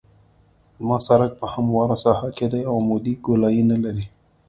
زما سرک په همواره ساحه کې دی او عمودي ګولایي نلري